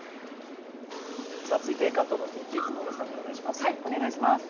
続いて関東のお天気今村さん、お願いします。